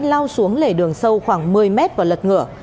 lao xuống lề đường sâu khoảng một mươi mét và lật ngửa